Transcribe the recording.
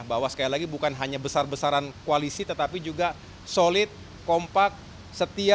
bahwa sekali lagi bukan hanya besar besaran koalisi tetapi juga solid kompak setia